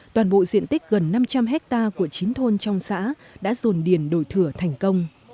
toàn bộ diện tích gần năm trăm linh hectare của chín thôn trong xã đã dồn điền đổi thửa thành công